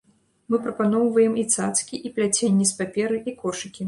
Мы прапаноўваем і цацкі, і пляценні з паперы, і кошыкі.